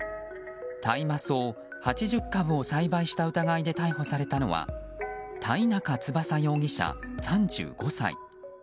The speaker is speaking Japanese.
大麻草８０株を栽培した疑いで逮捕されたのは田井中翼容疑者、３５歳。